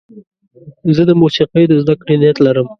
زه د موسیقۍ د زدهکړې نیت لرم.